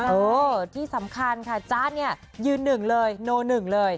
เออที่สำคัญค่ะจ๊ะเนี่ยยืนหนึ่งเลยโนหนึ่งเลย